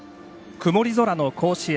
曇り空の甲子園。